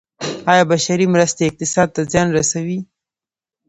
آیا بشري مرستې اقتصاد ته زیان رسوي؟